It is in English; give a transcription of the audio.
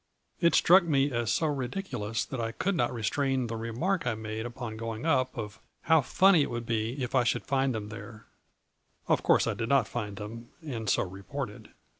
It struck me as so ridiculous that I could not restrain the remark I made upon going up of ' how funny it would be if I should find them there/ Of course, I did not find them and so reported.